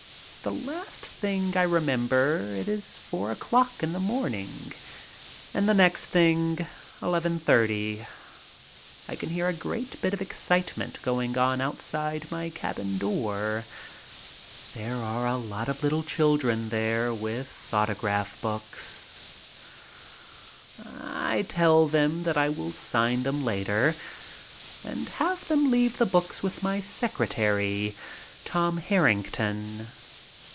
The last thing I remember it is four o'clock in the morning and the next thing eleven thirty. I can hear a great bit of excite ment going on outside my cabin door. There are a lot of little children there with autograph books. I tell them that I will sign them later and have them leave the books with my secretary, Tom Harrington.